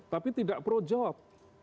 tapi tidak pro job